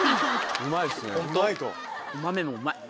「うまい」と。